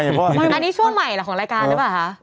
อันนี้ช่วงใหม่ของรายการใช่ป่ะฮะ